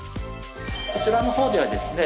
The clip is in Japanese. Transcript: こちらの方ではですね